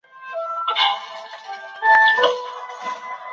石沟寺的历史年代为明。